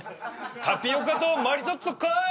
タピオカとマリトッツォかい！